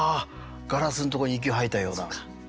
ガラスのところに息を吐いたような。